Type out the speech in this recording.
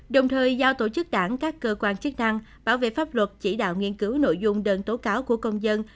đồng thời giao tổ chức đảng các cơ quan chức năng bảo vệ pháp luật chỉ đạo nghiên cứu nội dung đơn tố cáo của công dân